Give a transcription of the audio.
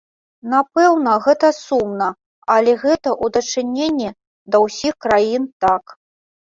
Напэўна, гэта сумна, але гэта ў дачыненні да ўсіх краін так.